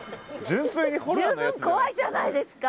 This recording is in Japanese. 十分怖いじゃないですか。